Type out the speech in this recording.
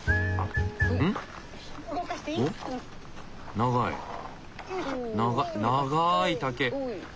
長長い竹。